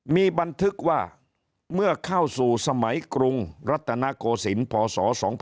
มีบันทึกว่าเมื่อเข้าสู่สมัยกรุงรัตนโกศิลป์พศ๒๕๖